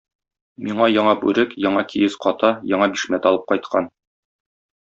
Миңа яңа бүрек, яңа киез ката, яңа бишмәт алып кайткан.